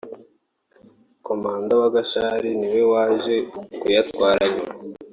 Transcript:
komanda wa Gashali niwe waje kuyatwara nyuma